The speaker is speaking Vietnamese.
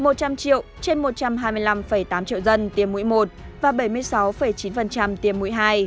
một trăm linh triệu trên một trăm hai mươi năm tám triệu dân tiêm mũi một và bảy mươi sáu chín tiêm mũi hai